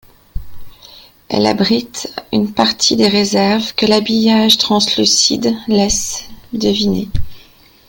Elle abrite une partie des réserves que l’habillage translucide laisse deviner.